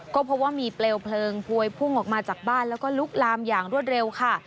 ก็พบว่ามีเปลวเพลิงพวยพุ่งออกมาจากบ้านแล้วก็ลุกลามอย่างรวดเร็วค่ะ